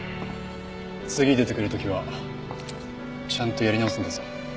次出てくる時はちゃんとやり直すんだぞ。